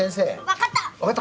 分かった？